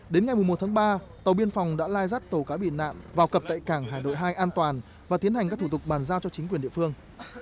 đến ngày một tháng ba tàu biên phòng đã lai rắt tàu cá bị nạn vào cập tại cảng hải đội hai an toàn và tiến hành các thủ tục bàn giao cho chính quyền địa phương